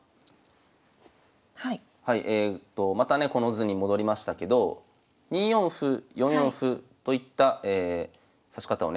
はいえとまたねこの図に戻りましたけど２四歩４四歩といった指し方をね